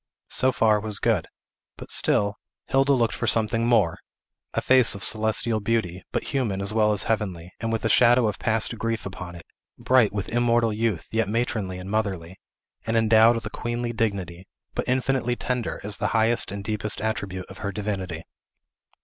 So far was good. But still, Hilda looked for something more; a face of celestial beauty, but human as well as heavenly, and with the shadow of past grief upon it; bright with immortal youth, yet matronly and motherly; and endowed with a queenly dignity, but infinitely tender, as the highest and deepest attribute of her divinity.